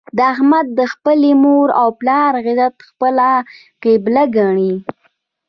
احمد د خپلې مور او پلار عزت خپله قبله ګڼي.